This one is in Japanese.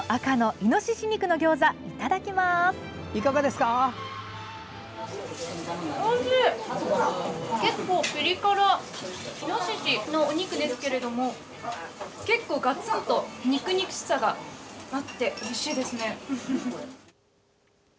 イノシシのお肉ですけども結構ガツンと肉々しさがあっておいしいですね。